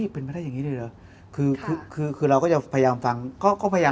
เพื่อไทยรวมไทยสร้างชาติมาแรงกว่า